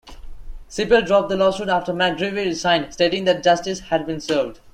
Cipel dropped the lawsuit after McGreevey resigned, stating that justice had been served.